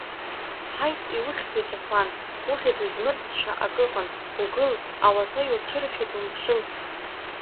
Ҳаит, иухьзеи, Қьеҭуан, ухьыӡ змырӡша акы ыҟан, угыл, ауаса иуцәырфеит, умԥшын!